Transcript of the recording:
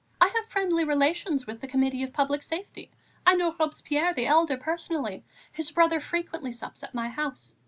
I have friendly relations with the Committee of Public Safety. I know Robespierre the elder personally; his brother frequently sups at my house.